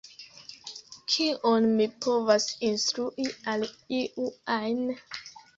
Kion mi povas instrui al iu ajn?